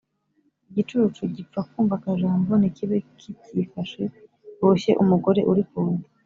Igicucu gipfa kumva akajambo ntikibe kicyifashe, boshye umugore uri ku nda.